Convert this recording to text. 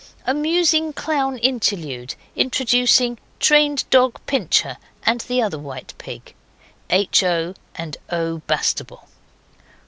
Amusing clown interlude, introducing trained dog, Pincher, and the other white pig. H. O. and O. Bastable.